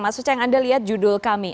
mas uceng anda lihat judul kami